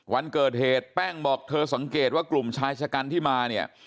วันเกิดเหตุแป้งบอกเธอสังเกตว่ากลุ่มชายชะกันที่มาเนี่ย